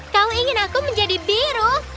kau ingin aku menjadi biru